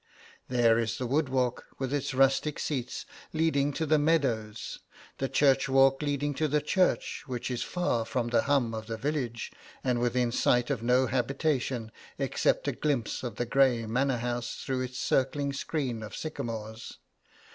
There is the wood walk, with its rustic seats, leading to the meadows; the church walk leading to the church, 'which is far from the hum of the village, and within sight of no habitation, except a glimpse of the grey manor house through its circling screen of sycamores.